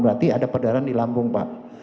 berarti ada perdaran di lambung pak